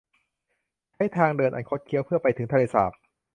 ใช้ทางเดินอันคดเคี้ยวเพื่อ ไปถึงทะเลสาบ